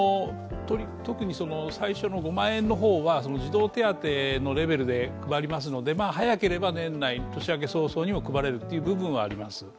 特に最初の５万円の方は児童手当で配りますので、年明け早々にも配れるということもあります。